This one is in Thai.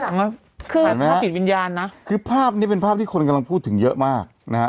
คือภาพติดวิญญาณนะคือภาพนี้เป็นภาพที่คนกำลังพูดถึงเยอะมากนะฮะ